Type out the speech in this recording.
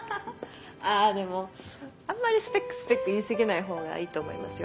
あでもあんまり「スペックスペック」言い過ぎないほうがいいと思いますよ。